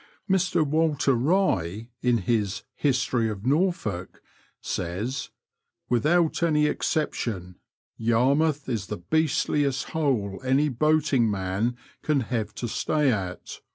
Mr Walter Rye, in his History of Norfolk," says, Without any exception, Yarmouth is the beastUest hole any boating man can have to stay at.